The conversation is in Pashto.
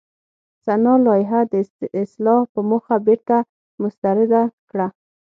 سنا لایحه د اصلاح په موخه بېرته مسترده کړه.